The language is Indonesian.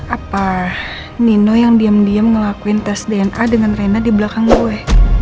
apa nino yang diam diam ngelakuin tes dna dengan rena di belakang gue